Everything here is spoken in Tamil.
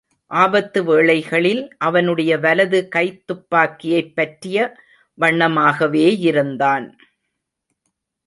ஆபத்து வேளைகளில் அவனுடைய வலது கைதுப்பாக்கியைப் பற்றிய வண்ணமாகவேயிருந்தான்.